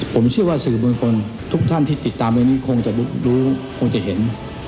ผมเชื่อว่าสื่อมวลชนทุกท่านที่ติดตามเรื่องนี้คงจะรู้คงจะเห็น